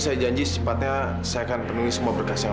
kalian everlasting makin selamat sekarang